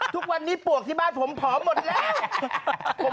ทุกวันนี้ปวกที่บ้านผมผอมหมดแล้ว